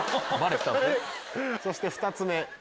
そして２つ目。